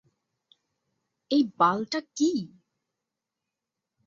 এই বাল টা কি?